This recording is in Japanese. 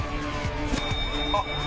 あっ！